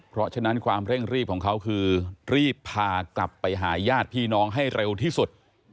เพราะฉะนั้นความเร่งรีบของเขาคือรีบพากลับไปหาญาติพี่น้องให้เร็วที่สุด